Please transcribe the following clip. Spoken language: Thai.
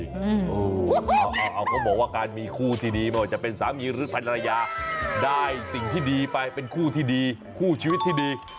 เอาเขาบอกว่าการมีคู่ที่ดีไม่ว่าจะเป็นสามีหรือภรรยาได้สิ่งที่ดีไปเป็นคู่ที่ดีคู่ชีวิตที่ดี